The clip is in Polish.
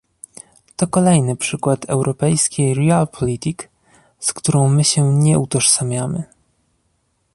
To kolejny przykład europejskiej Realpolitik, z którą my się nie utożsamiamy